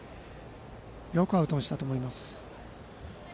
よくアウトにしたと思います。